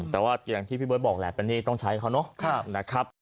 แต่ว่าอย่างที่พี่เบิร์ตบอกแหละเป็นหนี้ต้องใช้เขาเนาะนะครับ